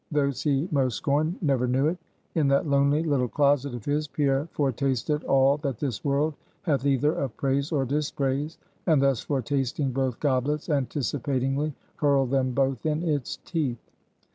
Those he most scorned, never knew it. In that lonely little closet of his, Pierre foretasted all that this world hath either of praise or dispraise; and thus foretasting both goblets, anticipatingly hurled them both in its teeth.